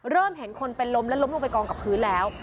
เริ่มเห็นคนเป็นล้มและล้มลงไปกองกับพื้นแล้ว